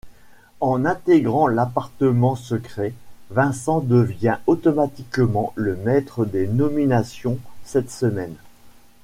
En intégrant l'Appartement secret, Vincent devient automatiquement le Maître des Nominations cette semaine.